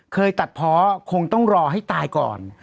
เคยตัดเพาะคงต้องรอให้ตายก่อน